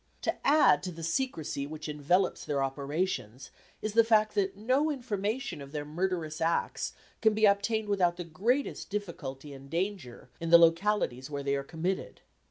To add to the secrecy which envelops their operations, is the fact that no information of their murderous acts can be obtained without the greatest difficulty and danger in the localities where they are committed.